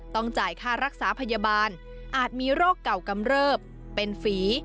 ต้องจ่ายค่ารักษาพยาบาลอาจมีโรคเก่ากำเริบเป็นฝี